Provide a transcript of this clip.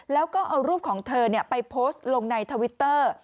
แล้วก็เอารูปของเธอไปโพสต์ลงในทวิตเตอร์